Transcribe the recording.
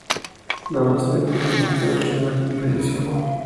La base del piso no está definida con precisión.